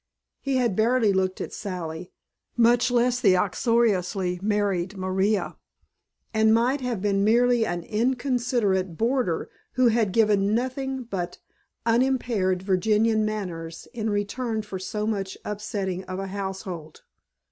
He had barely looked at Sally, much less the uxoriously married Maria, and might have been merely an inconsiderate boarder who had given nothing but unimpaired Virginian manners in return for so much upsetting of a household.